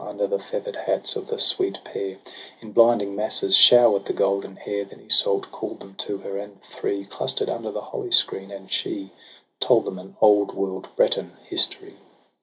Under the feather'd hats of the sweet pair. In blinding masses shower'd the golden hair — Then Iseult call'd them to her, and the three Clustered under the holly screen, and she Told them an old world Breton history.